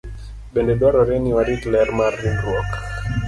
Bende dwarore ni warit ler mar ringruok.